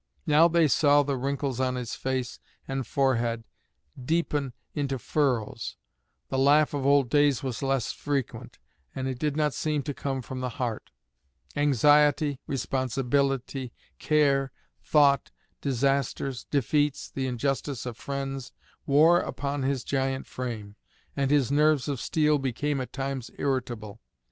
Now they saw the wrinkles on his face and forehead deepen into furrows; the laugh of old days was less frequent, and it did not seem to come from the heart. Anxiety, responsibility, care, thought, disasters, defeats, the injustice of friends, wore upon his giant frame, and his nerves of steel became at times irritable.